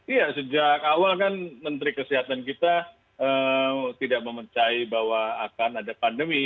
iya sejak awal kan menteri kesehatan kita tidak memecah bahwa akan ada pandemi